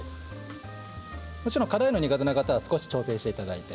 もちろん辛いのが苦手な方は少し調整していただいて。